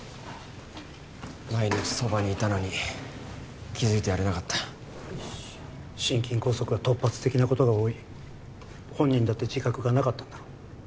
毎日そばにいたのに気づいてやれなかった心筋梗塞は突発的なことが多い本人だって自覚がなかったんだろう